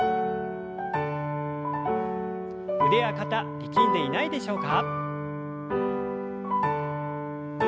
腕や肩力んでいないでしょうか。